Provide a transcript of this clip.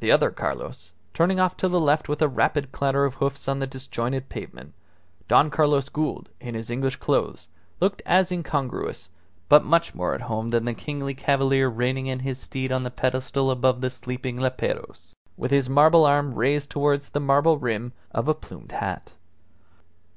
The other Carlos, turning off to the left with a rapid clatter of hoofs on the disjointed pavement Don Carlos Gould, in his English clothes, looked as incongruous, but much more at home than the kingly cavalier reining in his steed on the pedestal above the sleeping leperos, with his marble arm raised towards the marble rim of a plumed hat.